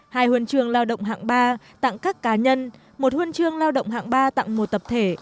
hai huân chương lao động hạng ba tặng các cá nhân một huân chương lao động hạng ba tặng một tập thể